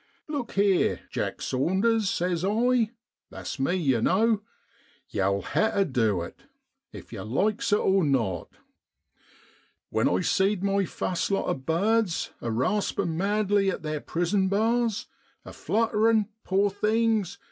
Look heer, Jack Saunders, say's I (that's me, yer know), ymtfll TicC ter du it, if yer likes it or not. ' When I seed my fust lot of bards a raspin' madly at theer prison bars, a flutterin', poor things !